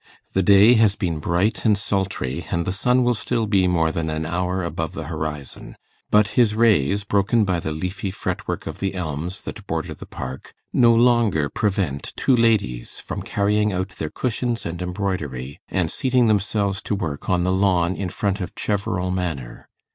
The day has been bright and sultry, and the sun will still be more than an hour above the horizon, but his rays, broken by the leafy fretwork of the elms that border the park, no longer prevent two ladies from carrying out their cushions and embroidery, and seating themselves to work on the lawn in front of Cheverel Manor.